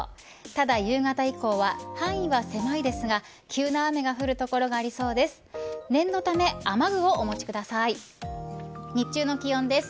ただ、夕方以降は範囲は狭いですが急な雨が降る所がありそうです。